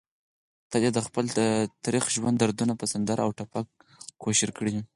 تل يې دخپل تريخ ژوند دردونه په سندره او ټپه کوشېر کړي دي